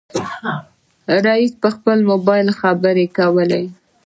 رئيسې په موبایل خبرې کولې.